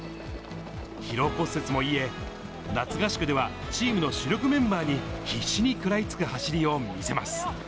疲労骨折も癒え、夏合宿ではチームの主力メンバーに必死に食らいつく走りを見せます。